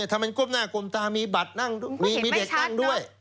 ทำให้ก้นหน้ากลมตามีเด็กนั่งด้วย